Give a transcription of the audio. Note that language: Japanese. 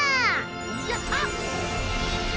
やった！